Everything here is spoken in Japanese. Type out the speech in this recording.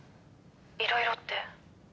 「いろいろって？」